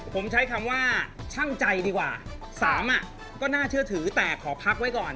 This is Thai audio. ผมใช้คำว่าช่างใจดีกว่าสามอ่ะก็น่าเชื่อถือแต่ขอพักไว้ก่อน